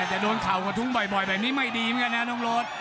แต่โดนเข่ากระทุ้งบ่อยแบบนี้ไม่ดีเหมือนกันนะน้องรถ